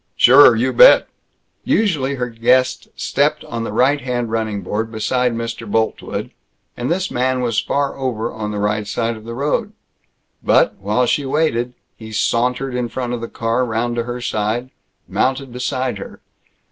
"Sure! You bet!" Usually her guests stepped on the right hand running board, beside Mr. Boltwood, and this man was far over on the right side of the road. But, while she waited, he sauntered in front of the car, round to her side, mounted beside her.